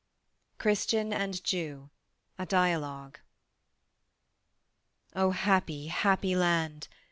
CHRISTIAN AND JEW. A DIALOGUE. "O happy happy land!